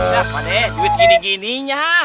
nah kadeh duit segini gininya